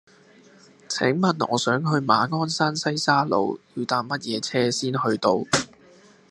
請問我想去馬鞍山西沙路要搭乜嘢車先去到